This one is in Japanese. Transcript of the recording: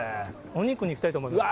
お肉にいきたいと思います。